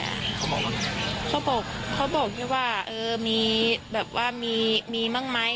เขาบอกว่าเขาบอกเขาบอกแค่ว่าเออมีแบบว่ามีมีบ้างไหม